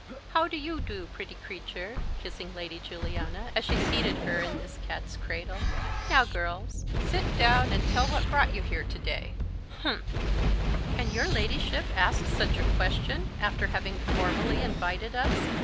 "How do you do, pretty creature?" kissing Lady Juliana, as she seated her in this cat's cradle. "Now, girls, sit down, and tell what brought you here to day humph!" "Can your Ladyship ask such a question, after having formally invited us?"